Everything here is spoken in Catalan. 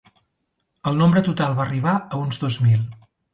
El nombre total va arribar a uns dos mil.